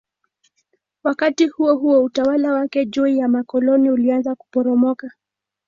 Wakati huohuo utawala wake juu ya makoloni ulianza kuporomoka.